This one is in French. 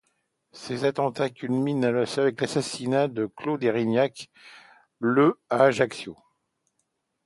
Ces attentats culminent avec l'assassinat de Claude Érignac le à Ajaccio.